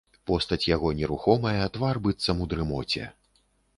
Постаць яго нерухомая, твар быццам у дрымоце.